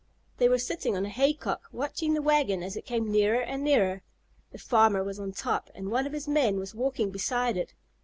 They were sitting on a hay cock, watching the wagon as it came nearer and nearer. The farmer was on top and one of his men was walking beside it.